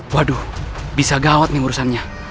waduh bisa gawat nih urusannya